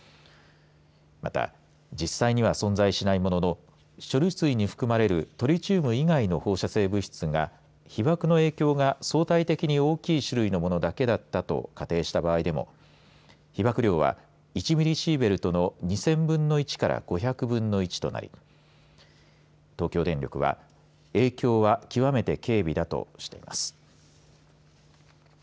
また、実際には存在しないものの処理水に含まれるトリチウム以外の放射性物質が被ばくの影響が相対的に大きい種類のものだけだったと仮定した場合でも被ばく量は１ミリシーベルトの２０００分の１から５００分の１となり東京電力は影響は極めて軽微だとしています。